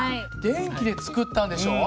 電気で作ったんでしょ？